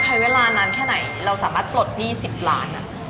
ใช้เวลานานแค่ไหนเราสามารถปลดหนี้๑๐ล้าน